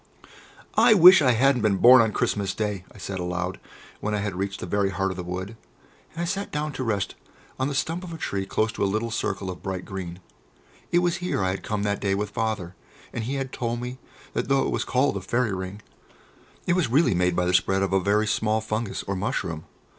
"I wish that I hadn't been born on Christmas Day!" I said aloud, when I had reached the very heart of the wood, and I sat down to rest on the stump of a tree close to a little circle of bright green. It was here I had come that day with Father, and he had told me that though it was called a "Fairy Ring," it was really made by the spread of a very small fungus, or mushroom.